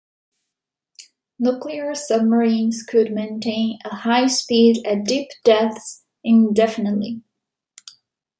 Nuclear submarines could maintain a high speed at deep depths indefinitely.